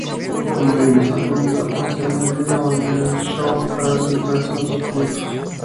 Como ella misma argumentó posteriormente, abandonó el show para centrarse en otros proyectos.